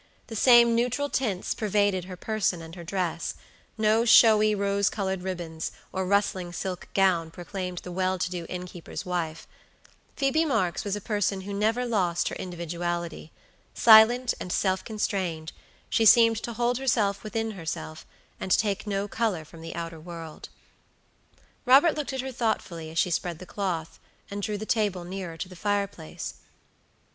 The same neutral tints pervaded her person and her dress; no showy rose colored ribbons or rustling silk gown proclaimed the well to do innkeeper's wife. Phoebe Marks was a person who never lost her individuality. Silent and self constrained, she seemed to hold herself within herself, and take no color from the outer world. Robert looked at her thoughtfully as she spread the cloth, and drew the table nearer to the fireplace.